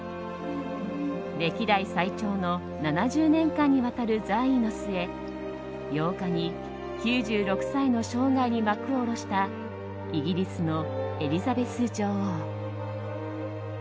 歴代最長の７０年間にわたる在位の末８日に９６歳の生涯に幕を下ろしたイギリスのエリザベス女王。